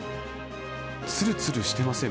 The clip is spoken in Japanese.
つるつるしてません。